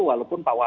walaupun pak wapad